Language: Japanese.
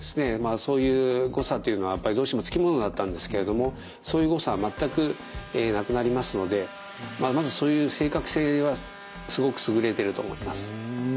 そういう誤差というのはどうしても付き物だったんですけれどもそういう誤差は全くなくなりますのでまずそういう正確性はすごく優れていると思います。